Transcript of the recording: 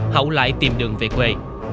hậu lại tìm đường về quê